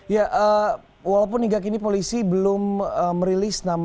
ya walaupun hingga kini polisi belum merilis nama